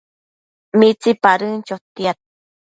Midapadën chotiad